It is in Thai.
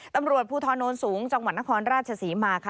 ตำรวจภูทรโน้นสูงจังหวัดนครราชศรีมาค่ะ